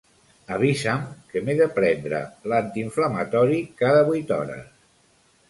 Avisa'm que m'he de prendre l'antiinflamatori cada vuit hores.